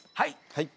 はい。